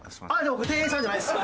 僕店員さんじゃないです。